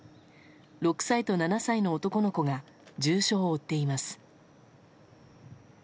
６歳と７歳の男の子が重傷を負っています。